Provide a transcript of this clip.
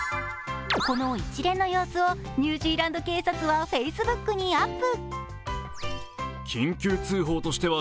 この一連の様子をニュージーランド警察はＦａｃｅｂｏｏｋにアップ。